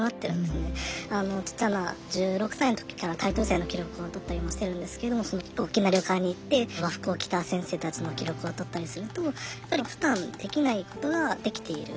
ちっちゃな１６歳の時からタイトル戦の記録をとったりもしてるんですけども大きな旅館に行って和服を着た先生たちの記録をとったりするとやっぱりふだんできないことができている。